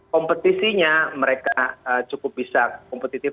kompetisinya mereka cukup bisa kompetitif